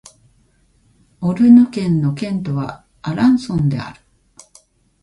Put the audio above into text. オルヌ県の県都はアランソンである